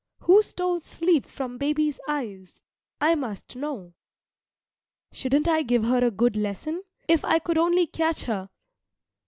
Who stole sleep from baby's eyes? I must know. Shouldn't I give her a good lesson if I could only catch her!